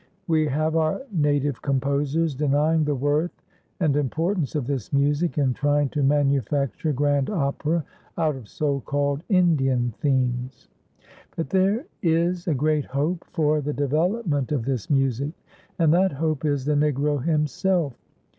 We have our native composers denying the worth and importance of this music, and trying to manufacture grand opera out of so called Indian themes. But there is a great hope for the development of this music, and that hope is the Negro himself.